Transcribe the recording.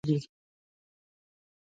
خو شیدې جاري کېږي، هغه له مور جلا کېږي.